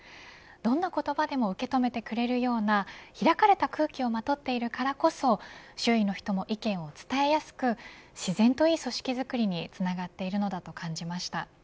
どんな言葉でも受け止めてくれるような開かれた空気をまとっているからこそ周囲の人も意見を伝えやすく自然といい組織作りにつながっているのだと感じました。